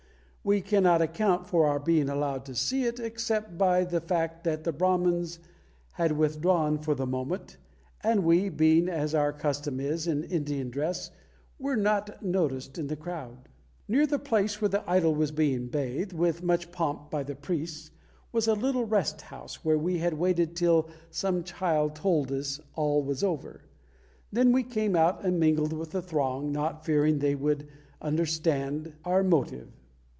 We cannot account for our being allowed to see it, except by the fact that the Brahmans had withdrawn for the moment, and we being, as our custom is, in Indian dress, were not noticed in the crowd. Near the place where the idol was being bathed, with much pomp by the priests, was a little rest house, where we had waited till some child told us all was over. Then we came out and mingled with the throng, not fearing they would misunderstand our motive.